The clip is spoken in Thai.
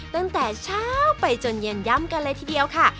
ตั้งแต่เช้าไปจนเย็นย่ำกันเลยทีเดียวค่ะ